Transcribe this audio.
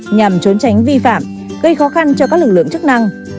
nhằm trốn tránh vi phạm gây khó khăn cho các lực lượng chức năng